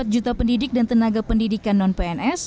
empat juta pendidik dan tenaga pendidikan non pns